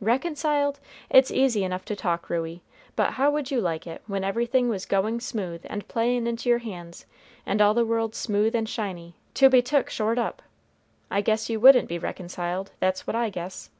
"Reconciled! It's easy enough to talk, Ruey, but how would you like it, when everything was goin' smooth and playin' into your hands, and all the world smooth and shiny, to be took short up? I guess you wouldn't be reconciled. That's what I guess."